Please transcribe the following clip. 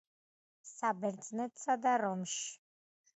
საბერძნეთსა და რომში.